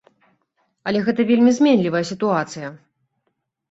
Але гэта вельмі зменлівая сітуацыя.